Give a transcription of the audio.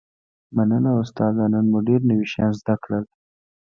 مننه استاده نن مو ډیر نوي شیان زده کړل